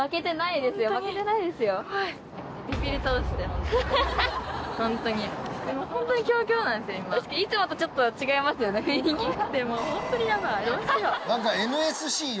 いつもとちょっと違いますよね雰囲気が。